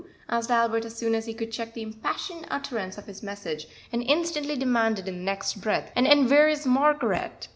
asked Albert as soon as he could check the impassioned utterance of his message, and instantly demanded in the next breath, "and and where is Margaret?"